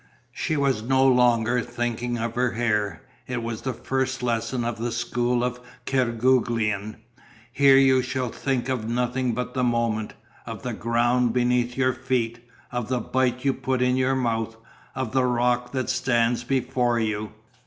She was no longer thinking of her hair. It was the first lesson of the school of Kerguelen. "Here you shall think of nothing but the moment, of the ground beneath your feet, of the bite you put in your mouth, of the rock that stands before you."